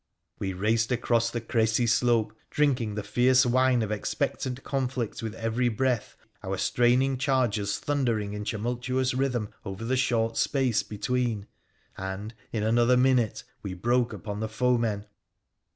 We raced across the Crecy slope, drinking the fierce wins )f expectant conflict with every breath, our straining chargers ihundering in tumultuous rhythm over the short space between, md, in another minute, we broke upon the foemen.